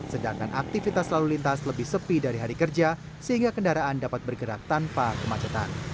sedangkan aktivitas lalu lintas lebih sepi dari hari kerja sehingga kendaraan dapat bergerak tanpa kemacetan